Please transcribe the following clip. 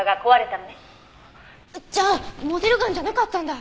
じゃあモデルガンじゃなかったんだ。